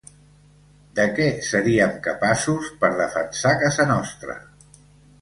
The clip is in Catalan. De què seríem capaços per defensar casa nostra?